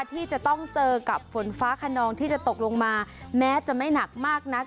ที่จะต้องเจอกับฝนฟ้าขนองที่จะตกลงมาแม้จะไม่หนักมากนัก